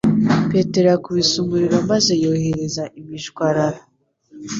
Petero yakubise umuriro maze yohereza imishwarara